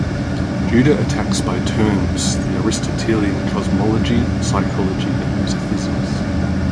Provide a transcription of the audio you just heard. Judah attacks by turns the Aristotelian cosmology, psychology, and metaphysics.